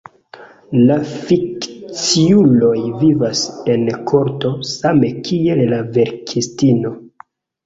La fikciuloj vivas en korto, same kiel la verkistino.